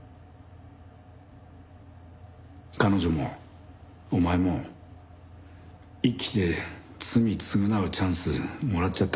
彼女もお前も生きて罪償うチャンスもらっちゃったのよ。